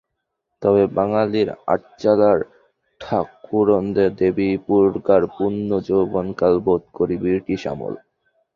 তবে বাঙালির আটচালার ঠাকরুন দেবীদুর্গার পূর্ণ যৌবনকাল বোধ করি ব্রিটিশ আমল।